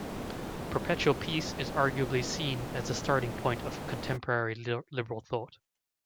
Perpetual peace is arguably seen as the starting point of contemporary liberal thought.